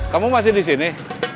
kamu masih di sini